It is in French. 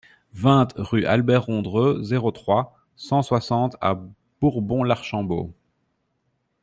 vingt rue Albert Rondreux, zéro trois, cent soixante à Bourbon-l'Archambault